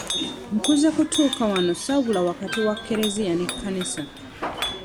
Nkuze kutuuka wano ssaawula wakati wa kkereziya n'ekkanisa.